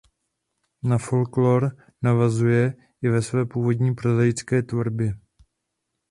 Na folklór navazuje i ve své původní prozaické tvorbě.